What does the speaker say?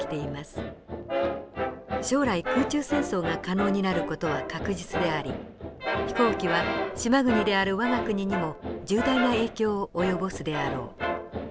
「将来空中戦争が可能になる事は確実であり飛行機は島国である我が国にも重大な影響を及ぼすであろう」。